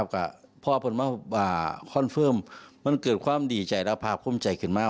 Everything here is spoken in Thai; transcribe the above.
กับพ่อผมคอนเฟิร์มมันเกิดความดีใจและภาพคุ้มใจขึ้นมาก